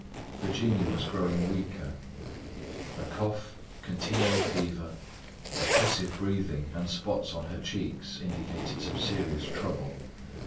Virginia was growing weaker. A cough, continual fever, oppressive breathing and spots on her cheeks indicated some serious trouble.